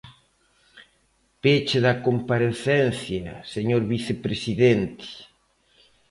Peche da comparecencia, señor vicepresidente.